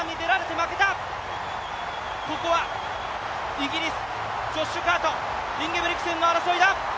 ここはイギリス、ジョッシュ・カーとインゲブリクセンの争いだ。